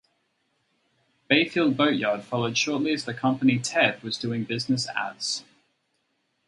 Bayfield Boat Yard followed shortly as the company Ted was doing business as.